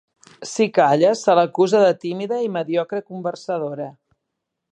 Si calla, se l'acusa de tímida i mediocre conversadora.